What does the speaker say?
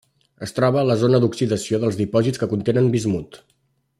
Es troba a la zona d'oxidació dels dipòsits que contenen bismut.